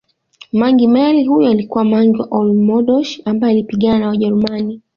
Mangi Meli huyu alikuwa mangi wa oldmoshi ambaye alipigana na wajerumani